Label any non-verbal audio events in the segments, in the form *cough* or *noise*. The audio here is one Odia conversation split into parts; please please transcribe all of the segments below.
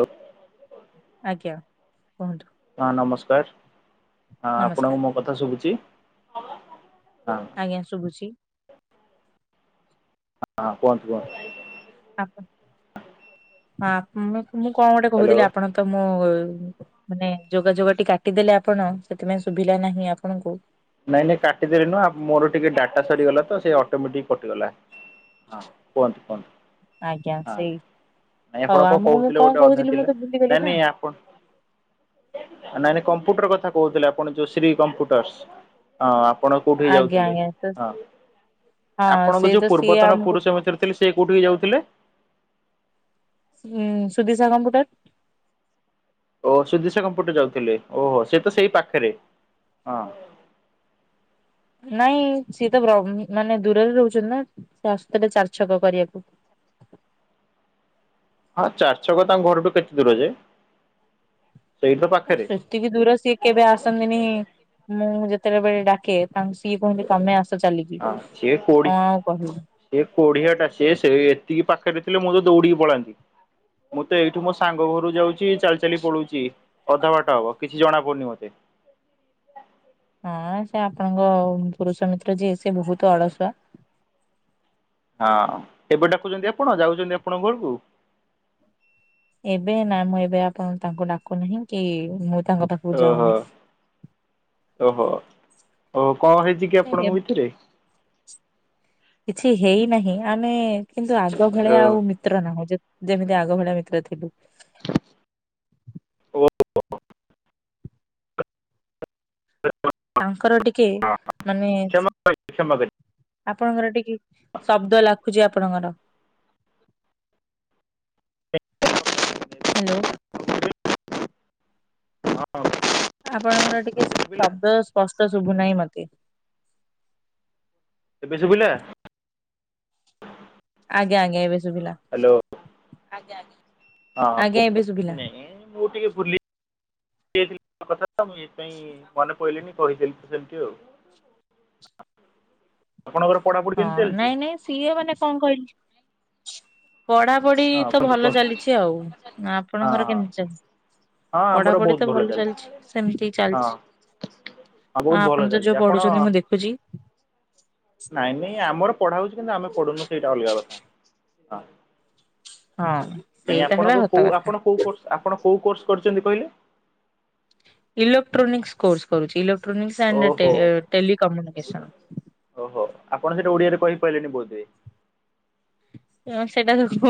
ଉ ଆଜ୍ଞା କୁହନ୍ତୁ। ଆ-ଆପଣଙ୍କୁ ନମସ୍କାର ମୋ କଥା ଶୁଭୁଛି? ହଁ ଆଜ୍ଞା ଶୁଭୁଛି। *unintelligible* ହଁ ମୁ ମୁଁ କଁ ଗୋଟେ ହ୍ୟାଲୋ କହୁଥିଲି ଆପଣ ତ ମୋ ମାନେ ଯୋଗାଯୋଗଟି କାଟିଦେଲେ ଆପଣ ସେଥିପାଇଁ ସୁବିଲା ନାହିଁ ଆପଣଙ୍କୁ। ନାଇଁ ନାଇଁ କାଟିଦେଲେ ନୁହଁ ଉ ମୋର ଟିକେ ଡାଟା ସରିଗଲା ତ ସେ ଅଟୋମେଟିକ୍ କଟିଗଲା। ହ କୁହନ୍ତୁ-କୁହନ୍ତୁ ଆଜ୍ଞା ହଁ। ସେଇ ନାଇଁ ହଉ ଆପଣ କଣ ଆମକୁ ମୁଁ କହୁଥିଲେ କଣ ଗୋଟେ ଅଧା କହୁଥିଲି ମୁଁ ଥିଲା ତ ଭୁଲିଗଲି ନା ନାଇଁ-ନାଇଁ ଆପ ନାଇ-ନାଇ କମ୍ପୁଟର୍ କଥା କହୁଥିଲେ ଆପଣ ଯୋଉ ଶ୍ରୀ କମ୍ପୁଟର୍ସ ହଁ। ଆପଣ କୋଉଠି କି ଆଜ୍ଞା ଯାଉଥିଲେ ଆଜ୍ଞା ତ ହଁ ହଁ ଆପଣଙ୍କୁ ସେ ଯୋଉ ତ ସିଏ ପୂର୍ବତନ ଆମକୁ ପୁରୁଷ ଏ ଭିତରେ ଥିଲେ ସ ସେ କୋଉଠିିକି ଯାଉଥିଲେ? ଉଁ ସୁଦିଶା କମ୍ପୁଟର୍। ଓ ସୁଧିଶା କପୁଟ ଯାଉଥିଲେ ଓ ସେ ତ ସେଇ ପାଖରେ ହଁ। *inaudible* ନାଇଁ ସିଏ ତ ବ୍ରମ ମାନେ ଦୂରରେ ରହୁଛନ୍ତି ନା ରାସ୍ତା ରେ ଚାର୍ ଛକ କରିବାକୁ। ହଁ ଚାର୍ ଛକ ତାଙ୍କ ଘରଠୁ କେତେ ଦୂର ଯେଏ? ସେତିକି ଦୂର ସେ କେବେ ଆସନ୍ତିନି ମୁଁ ଯେ ତେ ବେଳେ ଡାକେ ତାଙ୍କ ସିଏ କୁହନ୍ତି ତମେ ଆସ ଚାଲିକି ହଁ କଣ ସି କୋଡି ଆଉ କହିବି। ସେ କୋଡିଆ ଟା ସିଏ ସେ ଏତିକି ପାଖରେ ଲେ ମୁଁତ ଦୌଡିକି ପଳାନ୍ତି। ମୁଁ ତ ଏଇଠୁ ମୋ ସାଙ୍ଗ ଘରୁ ଯାଉଛି ଚାଲ୍ ଚାଲି ପଳୌଚି ଅଧା ବାଟ ହବ କିଛି ଜଣା ପଡୁନି ମତେ। ହାଁ ସେ ଆପଣଙ୍କ ପୁରୁଷ ମିତ୍ର ଯିଏ ସେ ବହୁତ ଅଳସୁଆ। ହଁ ଏବେ ଡାକୁଚନ୍ତି ଆପଣ ଯାଉଛନ୍ତି ଆପଣଙ୍କ ଘରକୁ? ଏବେ ନା ମୁଁ ଏବେ ଆପଣ ତାଙ୍କୁ ଡାକୁନାହିଁ କି ମୁଁ କଥାକୁ ଯାାଅ ଓହୋ ନାଇ। ଓହୋ ଓ କଁ ହେଇଛି କି ଏ- ଆପଣଙ୍କ ଭିତରେ? କିଛି ହେଇନାହିଁ ଆମେ କିନ୍ତୁ ଆଗ ଓ ଭଳିଆ ଆଉ ମିତ୍ର ନାହୁଁ ଯେ ଯେମିତି ଆଗ ଭଳିଆ ମିତ୍ର ଥିଲୁ। ଓ *inaudible* ତାଙ୍କର ଟିକେ ମାନେ କ୍ଷମା କରିବେ କ୍ଷମା କରିବେ। ଆପଣଙ୍କର ଟିକେ ଶବ୍ଦ ଲାଖୁଛି ଆପ ଆପଣ ଙ୍କର। ହ୍ୟାଲୋ। ହଁ ଆପଣଙ୍କର ଟିକେ ଶୁଭିଲା ଶବ୍ଦ ସ୍ପଷ୍ ତ ଶୁଭୁ ନାହିଁ ମତେ। ଏବେ ଶୁବିଲା? ଆଜ୍ଞା ଆଜ୍ଞା ଏବେ ଶୁଭିଲା ହ୍ୟାଲୋ ଆ ଆ। ହଁ ଆଜ୍ଞା ଏବେ ଶୁଭିଲା ମୁଁ ଟିକେୁଲି ମୁଁ ଏଇଥିପାଇ ମନେ ପଲିଣିି କହିଦି ତ ସେମିତି ଆଉ ଆପଣଙ୍କର ପଢାପଢି କେମିତି ହଁ ଚାଲିଛି? ନାଇଁ ନାଇଁ ସିଏ ମାନେ କଣ କହିଲେ? ପଢାପଢି ହଁ ତ କୁହନ୍ତୁ ଭଲ କୁହନ୍ତୁ ଚାଲିଛି ଆଉ ହଁ ହଁ ଆପଣଙ୍କର ହଁ କେମିତି ଚାହି। ପଢାପଢି ତ ଭଲ ଚାଲିଛି ସେମିତି ହଁ ଚାଲିଛି ହଁ ବହୁତ ହ ଭଲ ଆପଣ ତ ଚାଲିଛି ଯୋଉ ପଢୁଛନ୍ତି ମୁଁ ଦେଖୁଛି। ନାଇଁ ନାଇଁ ଆମର ପଢା ହଉଛି କିନ୍ତୁ ଆମେ ପଢୁନୁ ସେଇଟା ଅଲଗା କଥା। ହଁ ନାଇଁ ସେଇଟା ହେଲା ଆପଣଙ୍କ ସତ କୋଉ କଥା। ଆପଣ କୋଉ କ ଆପଣ କୋଉ କୋର୍ସ କରିଛନ୍ତି କହିଲେ? ଇଲେକ୍ଟ୍ରୋନିକ୍ସ କୋର୍ସ କରୁଛି। ଇ ଟ୍ରୋନିକ୍ସ ଆଣ୍ଡ ଓହୋ ଟେ-ଟେଲିିକମ୍ୟୁନିକେସନ୍। ଓହୋ ଆପଣ ସେଟା ଓଡିଆରେ କହିପାଇଲେନି ବୋଧହୁଏ? ହଁ ସେଇଟାଯୋଗୁଁ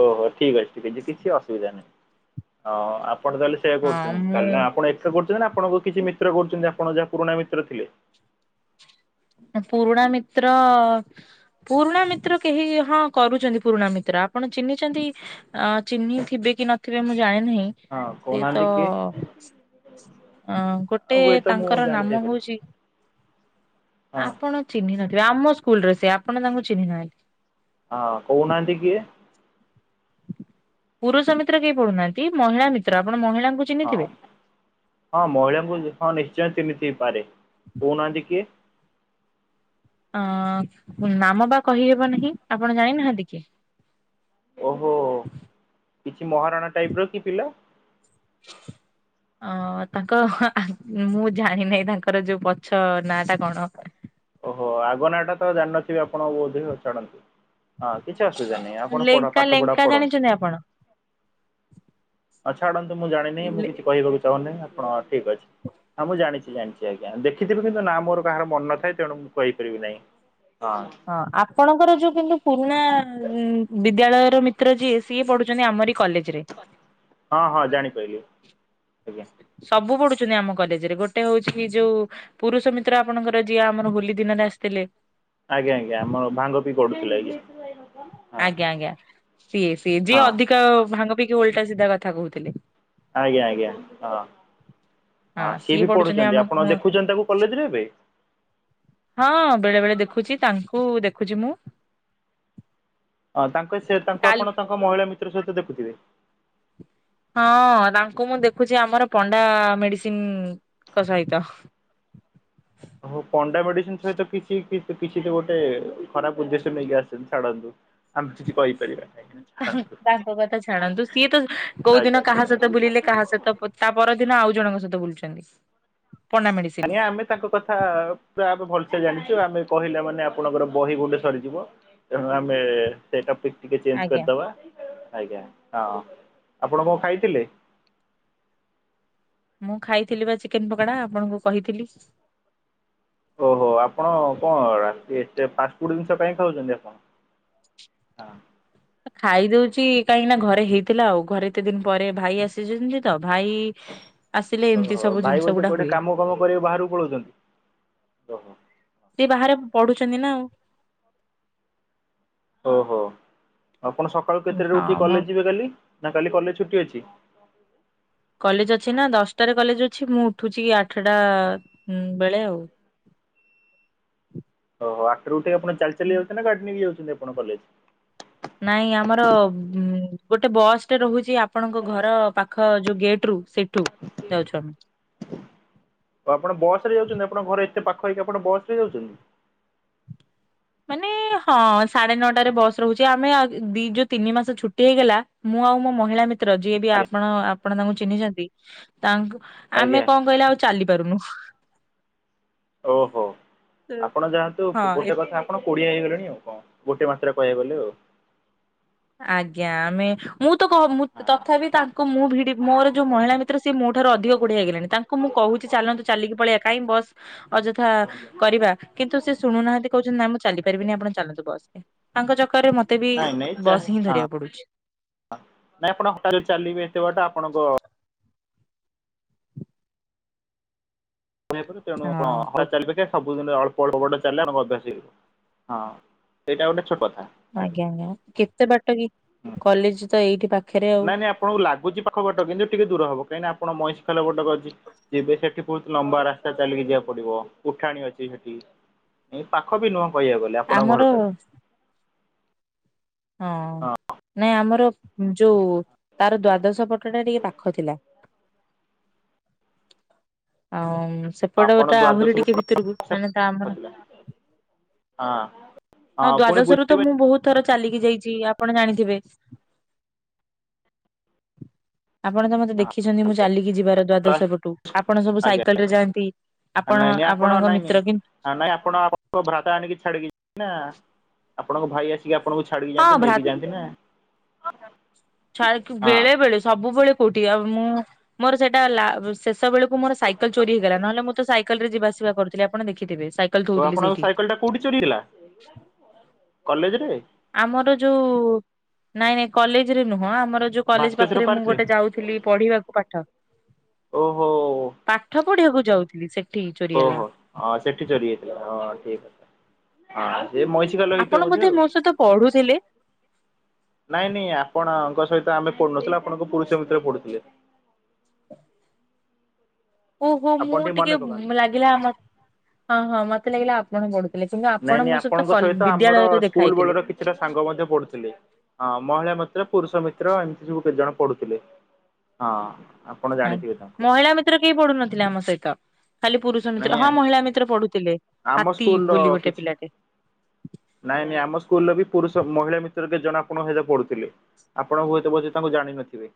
ଓହୋ! ଠିକ୍ ଅଛି। ଠିକ୍ ଅଛି। କିଛି ଅସୁବିଧା ନାହିଁ। ହଁ, ଆପଣ ତାହେଲେ ସେଆ ହଁ କରୁଛନ୍ତି। ମୁଁ ତାହେଲେ ନା ଆପଣ ଏକା କରୁଛନ୍ତି ନା ଆପଣଙ୍କୁ କିଛି ମିତ୍ର କରୁଛନ୍ତି, ଆପଣ ଯାହା ପୁରୁଣା ମିତ୍ର ଥିଲେ? ପୁରୁଣା ମିତ୍ର ଅ ପୁରୁଣା ମିତ୍ର କେହି ହଁ କରୁଛନ୍ତି, ପୁରୁଣା ମିତ୍ର। ଆପଣ ଚି଼ହ୍ନିଛନ୍ତି ଅ ଚିହ୍ନିଥିବେ କି ନଥିବେ? ମୁଁ ଜାଣିନି। ନାହିଁ। ହଁ ସେତ କହୁନାହାନ୍ତି କିଏ ଅଁ ଆଉ ଗୋଟେ ହୁଏତ ମୁଁ ତାଙ୍କର ନାମ ଜାଣିଥାଇପାରେ ହଉଛି? ହଁ ଆପଣ ଚିହ୍ନି ନଥିବେ? ଆମ ସ୍କୁଲରେ ସେ ଆପଣ ତାଙ୍କୁ ଚିହ୍ନି ନାହାନ୍ତି। ହଁ କହୁନାହାନ୍ତି କିଏ? ପୁରୁଷ ମିତ୍ର କେହି ପଢୁନାହାନ୍ତି। ମହିଳା ମିତ୍ର ଆପ ହଁ ହଁ ମହିଳାଙ୍କୁ ହଁ ନିଶ୍ଚିତ ଯାଏଁ ଚିହ୍ନିଥାଇପାରେ। କହୁନାହାଁନ୍ତି କିଏ? ଅଁ ନାମ ବା କହିହେବ ନାହିଁ, ଆପଣ ଜାଣିନାହାନ୍ତି କି? ଓହୋ! କିଛି ମହାରଣା ଟାଇପ ର କି ପିଲା? ଅଁ ତାଙ୍କ ମୁଁ ଜାଣିିନହିଁ ତାଙ୍କର ଯୋଉ ପଛ ନା ଟା କଣ? ଓହୋ! ଆଗ ନାଆଟା ତ ଜାଣିନଥିବେ ଆପଣ ବୋଧହୁଏ? ଛାଡ଼ନ୍ତୁ। ହଁ କିଛି ଅସୁବିଧା ନାହିଁ। ଆପଣ ଲେଙ୍କା ପାଠପଢା ଲେଙ୍କା ପଢନ୍ତୁ। ଜାଣିଛନ୍ତି ଆପଣ? ହଁ ଛାଡନ୍ତୁ। ମୁଁ ଜାଣିନି ମୁଁ କିଛି କହିବାକୁ ଚାହୁଁନାହିଁ? ଆପଣ ଠିକ୍ ଅଛି। ହଁ, ମୁଁ ଜାଣିଛି ଜାଣିଛି। ୟା ଆଜ୍ଞା ଦେଖିଥିବି! କିନ୍ତୁ ନାଁ ମୋର କାହାର ମନ ନ ଥାଏ। ତେଣୁ ମୁଁ କହିପାରିବି ନାହିଁ? ହଁ, ଆପଣଙ୍କର ଯୋଉ କିନ୍ତୁ ପୁରୁଣା ଉଁ ଉଁ ବିଦ୍ୟାଳୟର ମିତ୍ର ଯିଏ, ସିଏ ପଢୁଛନ୍ତି ଆମରି କଲେଜ ରେ। ହଁ ହଁ ଜାଣିପାରିଲି ଆଜ୍ଞା ସବୁ ପଢୁ ଚନ୍ତି ଆମ କଲେଜରେ। ଗୋଟେ ହଉଛି ଯୋଉ ପୁରୁଷ ମିତ୍ର ଆପଣଙ୍କର ଯିଏ ଆମର ହୋଲି ଦିନରେ ଆସିଥିଲେ। ଆଜ୍ଞା ଆଜ୍ଞା, ଆମର ଭାଙ୍ଗ ପି ଗଡୁଥିଲେ। ଆଜ୍ଞା! ହଁ ଆଜ୍ଞା ଆଜ୍ଞା ସିଏ ସିଏ, ହଁ ଯିଏ ଅଧିକ ଭାଙ୍ଗ ପିକି ଓଲଟା ସିଧା କଥା କହୁଥିଲେ। ଆଜ୍ଞା ଆଜ୍ଞା ହଁ। ହଁ ସିଏ ବି ପଢୁଛନ୍ତି। ଆପଣ ଦେଖୁଛନ୍ତି ତାକୁ କଲେଜରେ ଏବେ? ହଁ ବେଳେ ବେଳେ ଦେଖୁଛି। ତାଙ୍କୁ ଦେଖୁଛି ମୁଁ। ହଁ, ତାଙ୍କ ସେ ତାଙ୍କୁ କାଲି ଆପଣ ତାଙ୍କ ମହିଳା ମିତ୍ର ସହିତ ଦେଖୁଥିବେ? ହଁ ଅଁ! ତାଙ୍କୁ ମୁଁ ଦେଖୁଛି ଆମର ପଣ୍ଡା ମେଡିସିନ୍ ଙ୍କ ସହିତ। ହ ଓହୋ ପଣ୍ଡା ମେଡିସିନ ସହିତ କିଛି କି କିଛି ତ ଗୋଟେ ଖରାପ ଉଦ୍ଦେଶ୍ୟ ନେଇକି ଆସିଚନ୍ ଛାଡ଼ନ୍ତୁ। ଆମେ କିଛି କହି ତାଙ୍କ କଥା ଛାଡନ୍ତୁ। ସିଏ ତ କୋଉ ଆଜ୍ଞା ଦିନ କାହା ଆଜ୍ଞା। ସହିତ ବୁଲିଲେ, କାହା ସହିତ ତା ପରଦିନ ଆଉ ଜଣଙ୍କ ସହିତ ବୁଲୁଛନ୍ତି। ପଣ୍ଡା ମେଡିସିନ। ଆଜ୍ଞା, ଆମେ ତାଙ୍କ କଥା ପୁରା ଆବେ ଭଲସେ ଜାଣିଛୁ ଚୁ ଆମେ କହିଲା ମାନେ, ଆପଣଙ୍କର ବହି ଗୋଟେ ସରିଯିବ। ତେଣୁ ଆମେ ସେଇ ଟପିକ୍ ଟିକେ ଚେଞ୍ଜ ଆଜ୍ଞା କରିଦବା। ଆଜ୍ଞା, ହଁ, ଆପଣ କଣ ଖାଇଥିଲେ? ମୁଁ ଖାଇଥିଲି ବା ଚିକେନ ପକୋଡା ଆପଣଙ୍କୁ କହିଥିଲି। ଓହୋ! ଆପଣ କଣ ରାତି ଏତେ ଫାଷ୍ଟଫୁଡ୍ ଜିନିଷ କାଇଁ ଖାଉଛନ୍ତି ଆପଣ? ହଁ। ଖାଇ ଦଉଛି କାହିଁକି ନା? ଘରେ ହେଇଥିଲା, ଆଉ ଘରେ ଏତେ ଦିନ ପରେ ଭାଇ ଆସିଛିନ୍ତି ତ। ଭାଇ ଆସିଲେ ଏମିତି ଓହୋ! ସବୁ ଭାଇ ଜିନିଷ ବୋଧେ ଗୁଡା କୋଠି ହୁଏ। କାମ କାମ କରିଆକୁ ବାହାରକୁ ପଳଉଛନ୍ତି? ଓହୋ! ସିଏ ବାହାରେ ପଢୁଛନ୍ତି ନା ଆଉ? ଓହୋ, ଆପଣ ସକାଳୁ କେତେଟାରୁ ଉଠିକି ହଁ ମୋ କଲେଜ ଯିବେ କାଲି? ନା କାଲି କଲେଜ ଛୁଟି ଅଛି? କଲେଜ ଅଛି ନା, ଦଶଟାରେ କଲେଜ ଅଛି, ମୁଁ ଉଠୁଛି ଆଠଟା ବେଳେ ଆଉ। *inaudible* ଓହୋ ଆଠଟା ରୁ ଉଠିକି, ଆପଣ ଚାଲି ଚାଲି ଯାଉଛନ୍ତି ନା? ଗାଡି ନେଇକି ଯାଉଛନ୍ତି ଆପଣ କଲେଜ ନାଇଁ ଆମର ଗୋଟେ ବସ୍ ଟେ ରହୁଛି, ଆପଣଙ୍କ ଘର ପାଖ ଯୋଉ ଗେଟ୍ ରୁ ସେଠୁ ଯାଉଛୁ ଆମେ ଆପଣ ବସ ରେ ଯାଉଛନ୍ତି ଆପଣଙ୍କ ଘରେ ଏତେ ପାଖହେଇକି ଆପଣ ବସ ରେ ଯାଉଛନ୍ତି? ମାନେ ହଁ ସାଢେ ନଅଟାରେ ବସ୍ ରହୁଛି ଆମେ ଦି ଯୋଉ ତିନି ମାସ ଛୁଟି ହେଇଗଲା ମୁଁ ମୁଁ ଆଉ ମହିଳା ଯିଏ ବି ଆଜ୍ଞା ଆପଣ ଆପଣ ତାଙ୍କୁ ଚିହ୍ନିଛନ୍ତି ତାଙ୍କୁ, ଆଜ୍ଞା ଆମେ କଣ କହିଲେ ଆଉ ଚାଲି କରନୁ *unintelligible* ଓହୋ, ଆପଣ ଯାଆନ୍ତୁ ହଁ ଏ ଗୋଟେ କଥା ଆପଣ କୋଡିଆ ହେଇଗଲେଣି ଆଉ କଣ, ଗୋଟେ ମାତ୍ରାରେ କହିବାକୁ ଗଲେ ଆଉ ଆଜ୍ଞା, ଆମେ ମୁଁ ତଥାପି ତାଙ୍କୁ ମୁଁ ଭିଡି ମୋର ଯୋଉ ମହିଳା ମିତ୍ର ସିଏ ମୋ ଠାରୁ ଅଧିକ କୁଡିଆହେଇଗଲାଣି ତାଙ୍କୁ ମୁଁ କହୁଛି କିଛି ଚାଲନ୍ତୁ ଚାଲିକି ପଳେଇଆ କାଇହିଁ ବସ ଅଯଥା କରିବା କିନ୍ତୁ ସେ ଶୁଣୁନାହାନ୍ତି, କହୁଛନ୍ତି ନା ମୁଁ ଚାଲି ପାରିବିନି, ଆପଣ ଚାଲନ୍ତୁ ବସରେ, ତାଙ୍କ କରେ ମତେ ବି ନାଇଁ ନାଇଁ ବସ୍ ହିଁ ହଁ ଧରିବାକୁ ପଡୁଛି ନାଇଁ ଆପଣ ହଟାତ ଚାଲିବେ ଏତେ ବାଟ ଆପଣଙ୍କ ତଣୁଣ ହଁ ହ କ ଚାଲେ ସବୁ *unintelligible* କଳ ଅଭସ ହଁ ସେଇଟା *unintelligible* ଆଜ୍ଞା ଆଜ୍ଞା କେତେ ବାଟ କି କଲେଜ ତ ଏଇଠି ପାଖ ନାଇଁ ନାଇଁ ଆପଣଙ୍କୁ ଲାଗୁଛି ପାଖପଟ, କିନ୍ତୁ ଟିକେ ଦୂର ହବ, କାହିଁକି ନା? ଆପଣ ମଇଷି ଖାଲ ବଟକ ଅଛି ଯିବେ ସେଠି ବହୁତ ଲମ୍ବା ରାସ୍ତା ଚାଲିକି ଯିବାକୁ ପଡିବ, ଉଠାଣି ଅଛି ସେଠି, ପାଖ ବି ନୁହଁ। କହିବାକୁ ଗଲେ ଆପଣଙ୍କ ଆମର ଘରଠାରୁ ହଁ ନାଇଁ ଆମର ଯୋଉ ତାର ଦ୍ଵାଦଶ ପଟ ଟା ଟିକେ ପାଖ ଥିଲା। ଆଉ ଆପଣ ସେପଟଟା ଆହୁରି ଦ୍ୱାଦଶ ହଁ ଟିକେ ଭିତରକୁ ମାନେ ତା ଆମର ହଁ ପୁଣି ଦ୍ଵାଦଶ ରୁ ତ ବୁଝିବେ ମୁଁ ବହୁତ ଥର ଚାଲିକି ଯାଇଛି ଆପଣ ଜାଣିଥିବେ ଆପଣ ତ ମତେ ଦେଖିଛନ୍ତି ମୁଁ ଚାଲିକି ଯିବାର ଦ୍ଵାଦଶ ପଟୁ, ଆପଣ ସବୁ ଆଜ୍ଞା ସାଇକେଲ ରେ ଯାଆନ୍ତି ନାଇଁ ଆପଣ ନାଇଁ ଆପଣ ଆପଣଙ୍କ ନାଇଁ ମିତ୍ର କି ନାଇଁ ଆପଣ ଆଣ ଭ୍ରାତା ଆଣିକି ଛାଡିକି ନା ଆପଣଙ୍କ ଭାଇ ଆସିକି ଆପଣଙ୍କୁ ଛାଡିକି ହଁ ଯାଆନ୍ତି, ନେଇକି ଯାଆନ୍ତି ନା ଛ। ଡେ ହଁ ବେଳେବେେଳେ ସବୁବେଳେ କଉଠି ଆଉ ମୁଁ ମୋର ସେଇଟା ଶେଷ ବେଳକୁ ମୋର ସାଇକେଲ ଚୋରି ହେଇଗଲା ନହେଲେ ମୁଁ ତ ସାଇକେଲ ରେ ଯିବା ଆସି କରୁଥିଲେ ଆପଣ ଦେଖିଥିବେ ସାଇକେଲ ତ ଥଉଥିଲେ ଆପଣଙ୍କ ସେଇଠି। ସାଇକେଲ ଟା କୋଉଠି ଚୋରି ହେଇଥିଲା କଲେଜରେ ଆମର ଯୋଉ ନାଇଁ ନାଇଁ କଲେଜରେ ନୁହଁ ଆମର ଯୋଉ କଲେଜ ଭାସ୍କେଶ୍ଵର ପାଖରେ ମୁଁ ପାର୍କରେ ଗୋଟେ ଯାଉଥିଲି ପଢିବାକୁ ପାଠ। ଓହୋ ପାଠ ପଢିବାକୁ ଯାଉଥିଲି ସେଠି। ଚୋରି ହେଲା। ଓହୋ, ହଁ ସେଠି ଚୋରି ହେଇଥିଲା, ହଁ, ଠିକ୍ ଅ ହଁ ଏ ମଇଷିକଲ୍ ହେଇଥିବ ଆପଣ ବୋଧେ ଆଉ, ମୋ ସହିତ ପଢୁଥିଲେ ନାଇଁ ନାଇଁ ଆପଣଙ୍କ ସହିତ ଆମେ ପଢୁନଥିଲେ, ଆପଣଙ୍କ ପୁରୁଷ ମିତ୍ର ପଢୁଥିଲେ ହ *inaudible* ଓହୋ, ଆପଣ ମୁଁ ଟିକେ ମନେ ପକାନ୍ତୁ ଲାଗିଲା ଆମ, ହଁ ହଁ ମତେ ଲାଗିଲା ଆପଣ ପଢୁଥିଲେ। କିନ୍ତୁ ଆପଣ ନାଇଁ ନାଇଁ ମୋ ଆପଣଙ୍କ କଲ୍ ସହିତ ଆମର ବିଦ୍ୟାଳୟରେ ଦେଖା ସ୍କୁଲ ହେଇଥିଲେ। ବେଳର କିଛିଟା ସାଙ୍ଗ ମଧ୍ୟ ପଢୁଥିଲେ। ହଁ ମହିଳା ମିତ୍ର, ପୁରୁଷ ମିତ୍ର, ଏମିତି ସବୁ କେତେ ଜଣ ପଢୁଥିଲେ, ହଁ ଆପଣ ଆଜ୍ଞା, ଜାଣିଥିବେ ତାଙ୍କୁ ମହିଳା ମିତ୍ର କେହି ପଢୁନଥିଲେ ଆମ ସହିତ ଖାଲି ପୁରୁଷ ନାଇଁ ମିତ୍ର ହଁ ମହିଳା ମିତ୍ର ପଢୁଥିଲେ ଆମ ହାତୀ ସ୍କୁଲର ବୋଲି ଗୋଟେ କିଛି ପିଲାଟେ ନାଇଁ ନାଇଁ ଆମ ସ୍କୁଲରେ ବି ପୁରୁଷ ମହିଳା କେତେ ଜଣେ ଆପଣ ଙ୍କ ସହ ପଢୁଥିଲେ, ଆପଣ ହୁଏତ ତାଙ୍କୁ ଜାଣିନଥିବେ।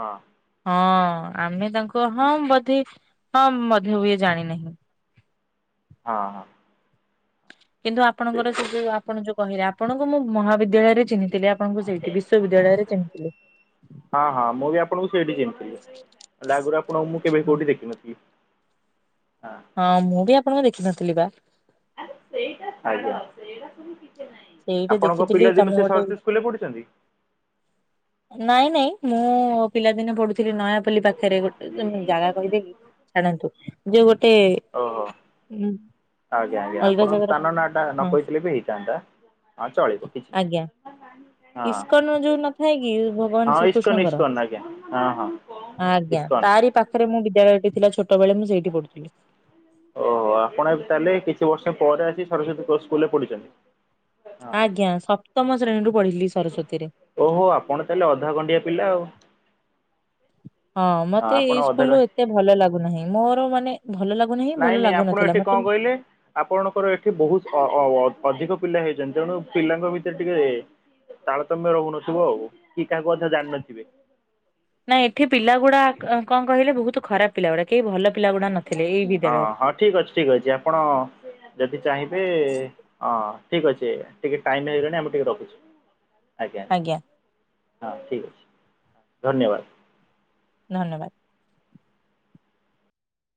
ହଁ। ହଁ ଆମେ ତାଙ୍କୁ ହଁ ବୋଧେ ହଁ ବୋଧେ ଜାଣିନେ ହଁ ହଁ। କିନ୍ତୁ ଠିକ୍ ଆପଣଙ୍କର ସେ ଅଛି ଯୋଉ ଆପଣ ଯୋଉ କହିଲେ, ଆପଣଙ୍କୁ ମୁଁ ମହାବିଦ୍ୟାଳୟରେ ଚିନ୍ନେ ଥିଲେ ଆପଣଙ୍କୁ ସେଇଠି ବିଶ୍ଵବିଦ୍ୟାଳୟରେ ଚିନ୍ନିଥିଲି। ହଁ ହଁ ମୁଁ ବି ଆପଣଙ୍କୁ ସେଇଠି ଚିହ୍ନିଥିଲି ହେଲେ ଆଗରୁ ଆପଣ ଙ୍କୁ ମୁଁ କେବେ କଉଠି ଦେଖିିନଥିଲି। ହଁ ମୁଁ ବି ଆପଣଙ୍କୁ ଦେଖିନଥିଲି ବା ଆରେ ସେଇଟା ସେଇଟା ସବୁ ସେଇଠି ଆପଣଙ୍କ ଦେଖିଥିଲି ପିଲାଦିନେ ତମେ ସେ ଗୋଟେ ସରସ୍ୱୋତି ସ୍କୁଲରେ ପଢିଛନ୍ତି। ନାଇଁ ନାଇଁ ମୁଁ ପିଲାଦିନେ ପଢୁଥିଲି ନୟା ପାଖରେ ଗୋଟେ ଜାଗା କହିଦେଇବି ଛାଡନ୍ତୁ ଯୋଉ ଗୋଟେ ଓହୋ ଆଜ୍ଞା ଆଜ୍ଞା ଅଲଗା ଆପଣ ଜାଗାରେ ସ୍ଥାନ ନାଁ ଟା ନ ହଁ କହିଥିଲେ ବି ହେଇଥାନ୍ତା। ହଁ ଚଳିବ କିଛି ଆଜ୍ଞା ନହିଁ। ଇସ୍କନ ଯୋଉ ନଥାଏ, କି ଭଗବାନ ହଁ ଇସ୍କନ ଶ୍ରୀକୃଷ୍ଣଙ୍କର ଇସ୍କନ ଆଜ୍ଞା ହଁ ହଁ ଆଜ୍ଞା ଇସ୍କନ ତାରି ପାଖରେ ମୁଁ ବିଦ୍ୟାଳୟ ଓହୋ ଆପଣ ତାହେଲେ କିଛି ବର୍ଷ ପରେ ଆସି ସରସ୍ଵତୀ ସ୍କୁଲରେ ପଢିଛନ୍ତି। ଆଜ୍ଞା ସପ୍ତମ ଶ୍ରେଣୀରୁୁ ପଢଥିଲି, ସରସ୍ଵତୀରେ ଓହୋ ଆପଣ ତାହେଲେ ଅଧା ଖଣ୍ଡିଆ ପିଲା ଆଉ ହଁ ମତେ ଆପଣ ଏଇ ଅଧାରୁ ସ୍କୁଲୁ ଏତେ ଭଲ ଲାଗୁନାହିଁ ମୋର ମାନେ ଭଲ ଲାଗୁନାହିଁ ଭଲ ନାଇଁ ନାଇଁ ଆପଣ ଲାଗୁନଥିଲା ଏଠି ମତେ କଣ କହିଲେ ଆପଣଙ୍କର ଏଠି ବହୁତ ଅଧିକ ପିଲା ହେଇଛନ୍ତି ତେଣୁ ପିଲାଙ୍କ ଭିତରେ ଟିକେ ତାଲତମ୍ୟା ରହୁନଥିବ ଆଉ କି କାହାକୁ ମଧ୍ୟ୍ୟ ଜାଣିନଥିବେ। ନାଇଁ ଏଠି ପିଲାଗୁଡା କଣ କହିଲେ ବହୁତ ଖରାପ ପିଲା ଗୁଡା କେହି ଭଲ ପିଲା ଗୁଡା ନଥିଲେ, ଏଇ ହଁ ବିଦ୍ୟାଳୟରେ ହଁ ଠିକ୍ ଅଛି ଠିକ୍ ଅଛି ଆପଣ ଯଦି ଚାହିଁବେ ହଁ ଠିକ୍ ଅଛି ଟିକେ ଟାଇମି ହେଇଗଣି ଆମେ ଟିକେ ରଖୁଛୁ ଆଜ୍ଞା। ହଁ ଠିକ୍ ଅଛି ଧନ୍ୟବାଦ। ଧନ୍ୟବାଦ।